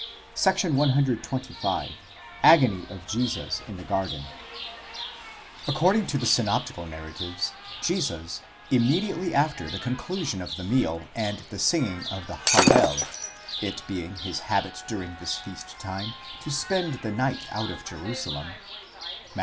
§ 125. AGONY OF JESUS IN THE GARDEN, ACCORDING to the synoptical narratives, Jesus, immediately after the con clusion of the meal and the singing of the Aa//e/, it being his habit during this feast time to spend the night out of Jerusalem (Matt.